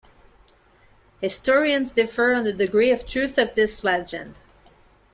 Historians differ on the degree of truth of this legend.